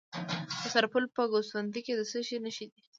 د سرپل په ګوسفندي کې د څه شي نښې دي؟